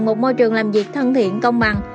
một môi trường làm việc thân thiện công bằng